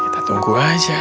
kita tunggu aja